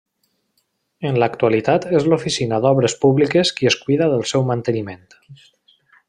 En l'actualitat és l'Oficina d'Obres Públiques qui es cuida del seu manteniment.